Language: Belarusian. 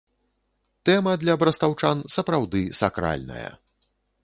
Тэма для брастаўчан, сапраўды, сакральная.